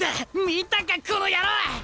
見たかこの野郎！